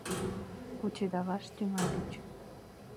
Кучедалаш тӱҥальыч..